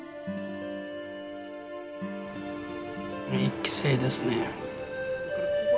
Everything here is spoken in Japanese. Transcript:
一期生ですね。